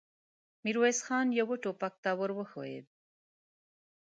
ميرويس خان يوه ټوپک ته ور وښويېد.